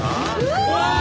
わあ！